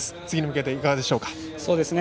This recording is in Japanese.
次に向けて、いかがでしょうか。